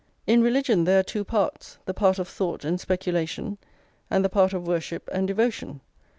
In religion there are two parts, the part of thought and speculation, and the part of worship and devotion.